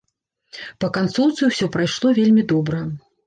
Па канцоўцы ўсё прайшло вельмі добра.